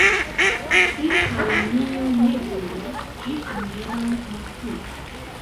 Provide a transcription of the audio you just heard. Se kalumnio ne brulas, ĝi almenaŭ makulas.